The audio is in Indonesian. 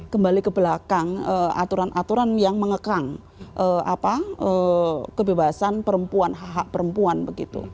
kembali ke belakang aturan aturan yang mengekang kebebasan perempuan hak hak perempuan begitu